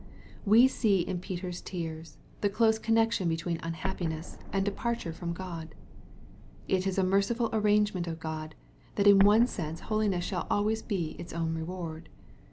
We see in Peter's tears, the close connection between unhappiness and departure from God. It is a merciful arrangement of God, that in one sense holiness shall always be its own reward.